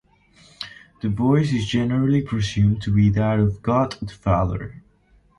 The voice is generally presumed to be that of God the Father.